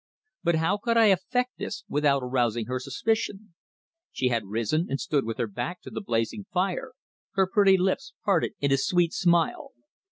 But how could I effect this without arousing her suspicion? She had risen and stood with her back to the blazing fire, her pretty lips parted in a sweet smile.